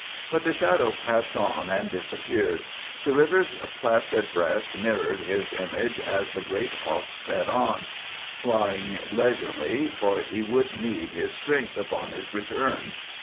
But the shadow passed on and disappeared; the river's placid breast mirrored his image as the great hawk sped on, flying leisurely, for he would need his strength upon his return.